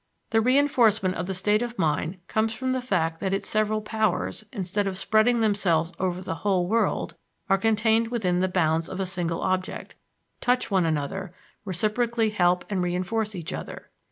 The reinforcement of the state of the mind comes from the fact that its several powers, instead of spreading themselves over the whole world, are contained within the bounds of a single object, touch one another, reciprocally help and reinforce each other."